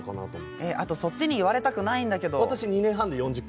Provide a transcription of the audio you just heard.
あとそっちに言われたくないんだけど。